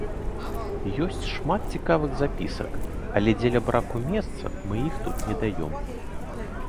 Ёсць шмат цікавых запісак, але дзеля браку месца мы іх тут не даём.